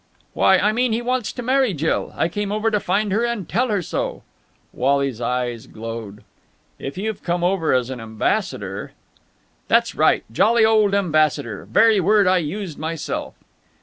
"Why, I mean he wants to marry Jill. I came over to find her and tell her so." Wally's eyes glowed. "If you have come over as an ambassador...." "That's right. Jolly old ambassador. Very word I used myself."